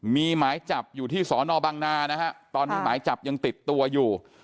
มีหมายจับอยู่ที่สอนอบังนานะฮะตอนนี้หมายจับยังติดตัวอยู่